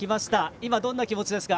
今、どんな気持ちですか？